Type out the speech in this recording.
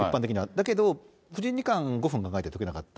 だけど藤井二冠、５分考えて解けなかった。